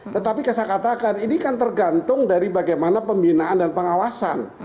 tetapi saya katakan ini kan tergantung dari bagaimana pembinaan dan pengawasan